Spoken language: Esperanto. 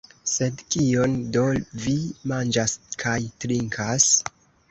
Sed kion do vi manĝas kaj trinkas?